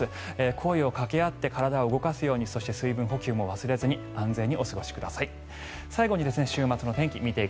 声をかけ合って体を動かすようにそして水分補給も忘れずに安全にお過ごしください。